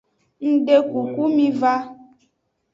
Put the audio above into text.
Ngdekuku miva.